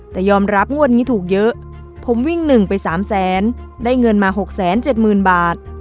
แต่ยอมรับงวดนี้ถูกเยอะผมวิ่ง๑ไป๓แสนได้เงินมา๖๗๐๐๐บาท